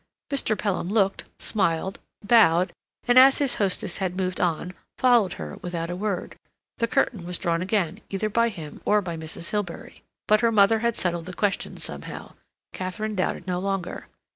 Mr. Pelham looked, smiled, bowed, and, as his hostess had moved on, followed her without a word. The curtain was drawn again either by him or by Mrs. Hilbery. But her mother had settled the question somehow. Katharine doubted no longer.